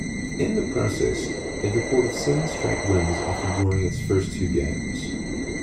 In the process, it recorded seven-straight wins after drawing its first two games.